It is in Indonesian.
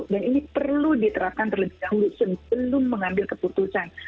dan ini perlu diterapkan terlebih dahulu sebelum mengambil keputusan